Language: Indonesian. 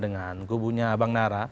mungkin untuk suatu hal yang sensasional